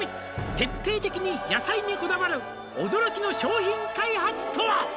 「徹底的に野菜にこだわる」「驚きの商品開発とは？」